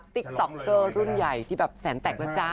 ติ๊กต๊อกเตอร์รุ่นใหญ่ที่แสนแตกแล้วจ้า